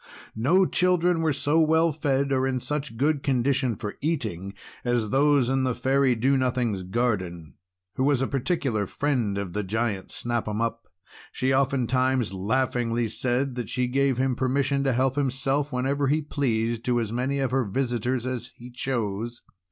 No children were so well fed or in such good condition for eating as those in the Fairy Do Nothing's garden, who was a particular friend of the Giant Snap 'Em Up. She oftentimes laughingly said that she gave him permission to help himself, whenever he pleased, to as many of her visitors as he chose.